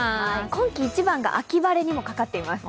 今季一番が秋晴れにもかかってます。